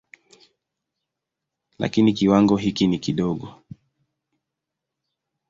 Lakini kiwango hiki ni kidogo.